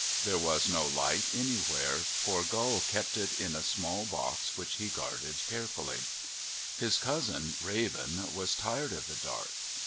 There was no light anywhere for Gull kept it in a small box which he guarded carefully. His cousin, Raven, was tired of the dark.